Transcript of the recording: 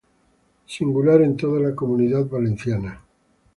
Singular en toda la Comunidad Valenciana.